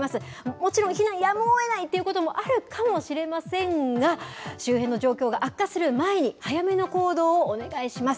もちろん避難やむをえないということもあるかもしれませんが、周辺の状況が悪化する前に、早めの行動をお願いします。